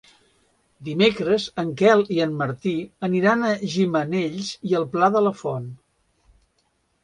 Dimecres en Quel i en Martí aniran a Gimenells i el Pla de la Font.